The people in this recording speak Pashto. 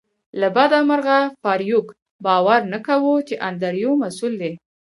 له بده مرغه فارویک باور نه کاوه چې انډریو مسؤل دی